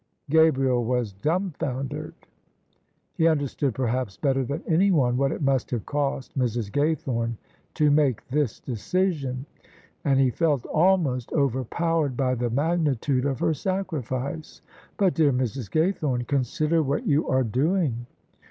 Gabriel was dumbfoundered. He understood perhaps bet ter than anyone what it must have cost Mrs. Gaythome to make this decision; and he felt almost overpowered by the magnitude of her sacrifice. " But, dear Mrs. Gaythome, consider what you are doing."